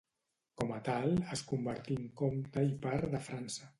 Com a tal, es convertí en comte i par de França.